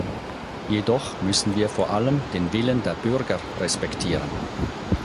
Jedoch müssen wir vor allem den Willen der Bürger respektieren.